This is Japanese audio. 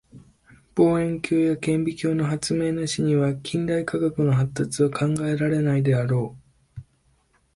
望遠鏡や顕微鏡の発明なしには近代科学の発達は考えられないであろう。